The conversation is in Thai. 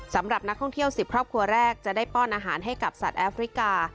สำหรับนักท่องเที่ยว๑๐ครอบครัวแรกจะได้ป้อนอาหารให้กับสัตว์แอฟริกา